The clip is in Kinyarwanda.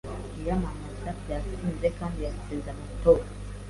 Iyamamaza ryatsinze kandi yatsinze amatora